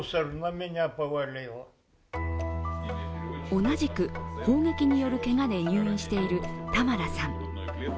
同じく砲撃によるけがで入院しているタマラさん。